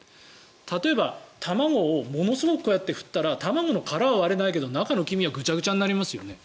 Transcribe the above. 例えば卵をものすごく振ったら卵の殻は割れないけど中の黄身はぐちゃぐちゃになりますよね。